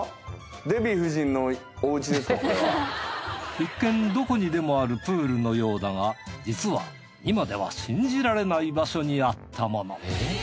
一見どこにでもあるプールのようだが実は今では信じられない場所にあったもの。